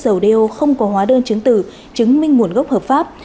tàu tám mươi lít dầu đeo không có hóa đơn chứng tử chứng minh nguồn gốc hợp pháp